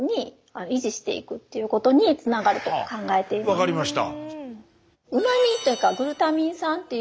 分かりました。